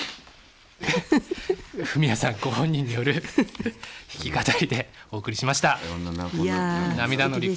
フミヤさんご本人による弾き語りでお送りしました。